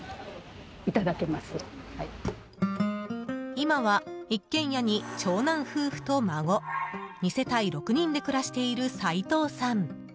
今は、一軒家に長男夫婦と孫２世帯６人で暮らしている齊藤さん。